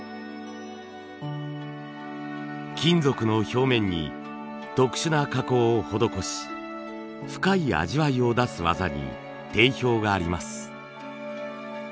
金属の表面に特殊な加工を施し深い味わいを出す技に定評があります。